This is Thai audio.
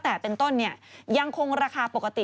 แต่เป็นต้นเนี่ยยังคงราคาปกติ